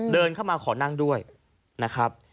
เดินเข้ามาขอนั่งด้วยนะครับ